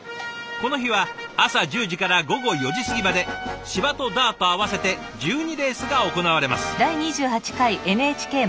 この日は朝１０時から午後４時過ぎまで芝とダート合わせて１２レースが行われます。